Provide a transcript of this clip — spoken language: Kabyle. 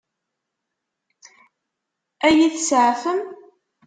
Ad iyi-tseɛfem?